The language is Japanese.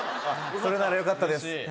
それならよかったです。